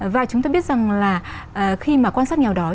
và chúng ta biết rằng là khi mà quan sát nghèo đói